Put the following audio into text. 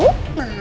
permennya juga mau